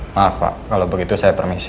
maaf pak kalau begitu saya permisi